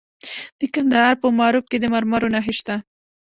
د کندهار په معروف کې د مرمرو نښې شته.